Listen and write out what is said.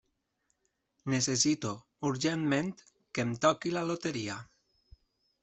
Necessito urgentment que em toqui la loteria.